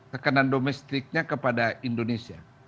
tekanan domestiknya kepada indonesia